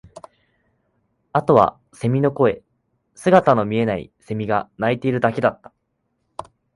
あとは蝉の声、姿の見えない蝉が鳴いているだけだった